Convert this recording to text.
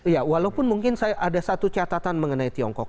ya walaupun mungkin saya ada satu catatan mengenai tiongkok